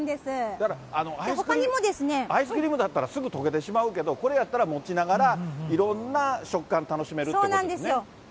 だから、アイスクリームだったらすぐにとけてしまうけど、これやったら、持ちながら、いろんな食感楽しめるということなんですね。